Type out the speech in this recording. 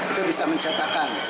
itu bisa mencatatkan